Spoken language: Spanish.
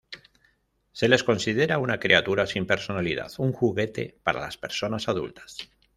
Se les considera una criatura sin personalidad, un juguete para las personas adultas.